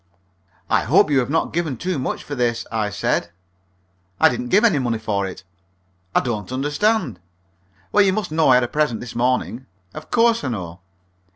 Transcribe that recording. "I hope you have not given too much for this," I said. "I didn't give any money for it." "I don't understand." "Well, you must know I had a present this morning." "Of course I know."